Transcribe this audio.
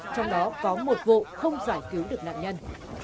trong đó có một vụ không giải cứu được nạn nhân